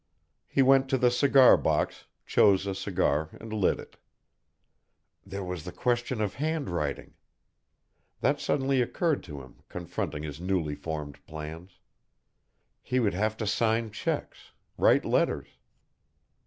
He went to the cigar box, chose a cigar and lit it. There was the question of hand writing! That suddenly occurred to him, confronting his newly formed plans. He would have to sign cheques, write letters.